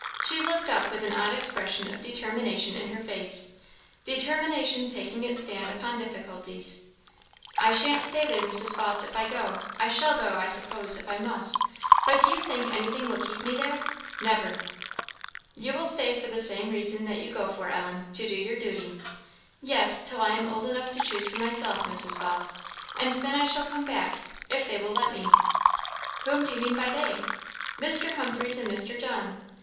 She looked up with an odd expression of determination in her face, determination taking its stand upon difficulties. "I shan't stay there, Mrs. Vawse, if I go! I shall go, I suppose, if I must; but do you think anything will keep me there? Never!" "You will stay for the same reason that you go for, Ellen, to do your duty." "Yes, till I am old enough to choose for myself, Mrs. Vawse, and then I shall come back if they will let me." "Whom do you mean by 'they?' " "Mr. Humphreys and Mr. John."